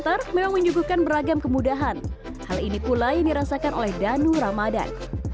pay later memang menyuguhkan beragam kemudahan hal ini pula yang dirasakan oleh danu ramadhan